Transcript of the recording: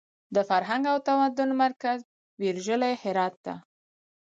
د فرهنګ او تمدن مرکز ویرژلي هرات ته!